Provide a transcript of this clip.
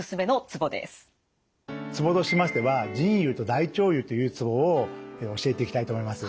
ツボとしましては腎兪と大腸兪というツボを教えていきたいと思います。